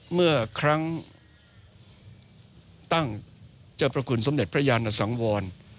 เมื่อครั้งตั้งเจ้าพระคุณสมเด็จพระยานสังวร